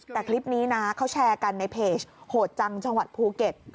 แต่คลิปนี้นะเขาแชร์กันในเพจโหดจังจังหวัดภูเก็ต